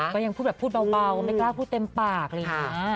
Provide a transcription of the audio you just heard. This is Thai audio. ก็ยังพูดแบบพูดเบาไม่กล้าพูดเต็มปากเลยค่ะ